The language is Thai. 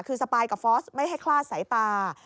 คือสปายกับฟอสไม่ให้คลาดสายตา